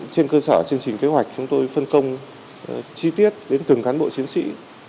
trên cơ sở chương trình kế hoạch chúng tôi phân công chi tiết đến từng cán bộ chiến sĩ